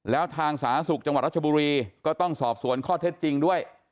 แล้วทางสาธารณสุขจังหวัดรัชบุรีก็ต้องสอบสวนข้อเท็จจริงด้วย